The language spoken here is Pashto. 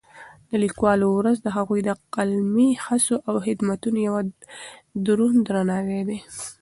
د لیکوالو ورځ د هغوی د قلمي هڅو او خدمتونو یو دروند درناوی دی.